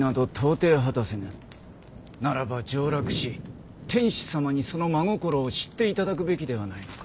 ならば上洛し天子様にその真心を知っていただくべきではないのか。